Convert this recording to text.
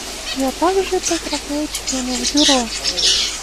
Я также поздравляю членов Бюро.